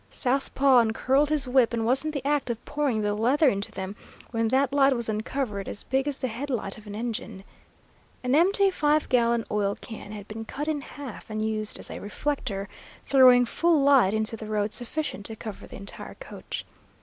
South Paw uncurled his whip, and was in the act of pouring the leather into them, when that light was uncovered as big as the head light of an engine. An empty five gallon oil can had been cut in half and used as a reflector, throwing full light into the road sufficient to cover the entire coach.